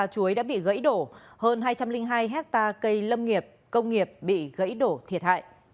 chuối đã bị gãy đổ hơn hai trăm linh hai hectare cây lâm nghiệp công nghiệp bị gãy đổ thiệt hại